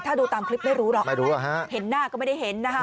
ถ้าดูตามคลิปไม่รู้หรอกไม่รู้เห็นหน้าก็ไม่ได้เห็นนะคะ